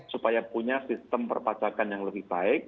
supaya punya sistem perpajakan yang lebih baik